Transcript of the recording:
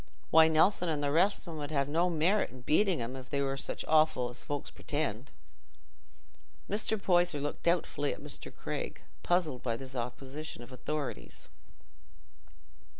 Why, Nelson and the rest of 'em 'ud have no merit i' beating 'em, if they were such offal as folks pretend." Mr. Poyser looked doubtfully at Mr. Craig, puzzled by this opposition of authorities.